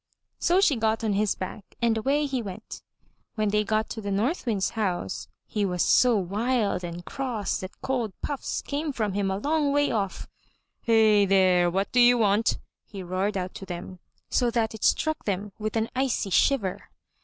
So she got on his back, and away he went. When they got to the North Wind's house, he was so wild and cross that cold puffs came from him a long way off. "Heigh, there, what do you want?" he roared out to them, so that it struck them with an icy shiver.